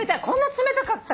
冷たかった。